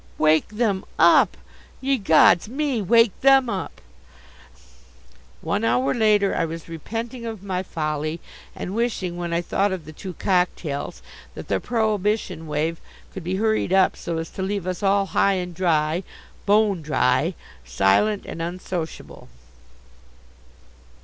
Wake them up! Ye gods! Me wake them up! One hour later I was repenting of my folly, and wishing, when I thought of the two cocktails, that the prohibition wave could be hurried up so as to leave us all high and dry bone dry, silent and unsociable.